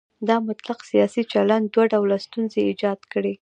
دا مطلق سیاسي چلن دوه ډوله ستونزې ایجاد کړي.